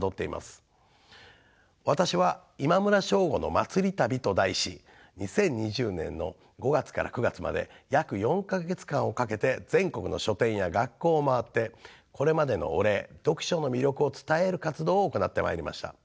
私は「今村翔吾のまつり旅」と題し２０２２年の５月から９月まで約４か月間をかけて全国の書店や学校をまわってこれまでのお礼読書の魅力を伝える活動を行ってまいりました。